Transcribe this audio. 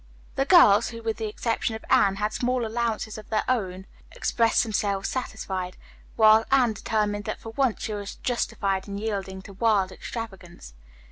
The girls, who, with the exception of Anne, had small allowances of their own, expressed themselves satisfied; while Anne determined that for once she was justified in yielding to wild extravagance.